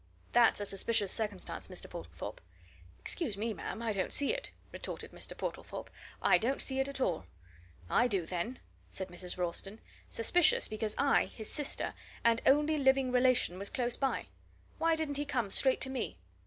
That's a suspicious circumstance, Mr. Portlethorpe." "Excuse me, ma'am I don't see it," retorted Mr. Portlethorpe. "I don't see it at all." "I do, then!" said Mrs. Ralston. "Suspicious, because I, his sister, and only living relation, was close by. Why didn't he come straight to me?